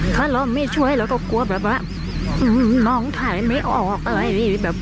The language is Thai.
ถ้าเราไม่ช่วยเราก็กลัวแบบว่าน้องถ่ายไม่ออกอะไรนี่แบบ